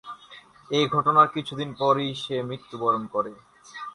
এ ঘটনার কিছুদিন পরেই সে মৃত্যুবরণ করে।